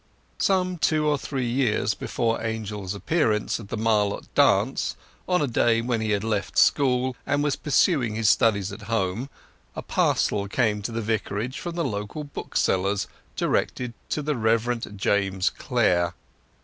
Some two or three years before Angel's appearance at the Marlott dance, on a day when he had left school and was pursuing his studies at home, a parcel came to the Vicarage from the local bookseller's, directed to the Reverend James Clare.